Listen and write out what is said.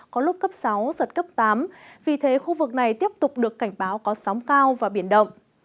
có lúc cấp sáu giật cấp tám vì thế khu vực này tiếp tục được cảnh báo có sóng cao và biển động